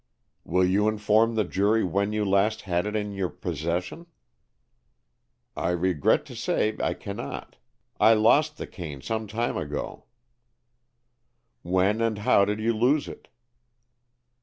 "Will you inform the jury when you last had it in your possession?" "I regret to say I cannot. I lost the cane sometime ago." "When and how did you lose it?"